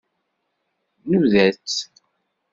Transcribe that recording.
Nnuda-tt.